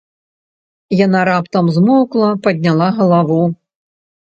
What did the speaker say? Яна раптам змоўкла, падняла галаву.